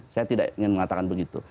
saya tidak ingin mengatakan begitu